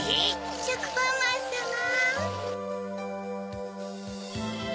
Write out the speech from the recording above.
しょくぱんまんさま。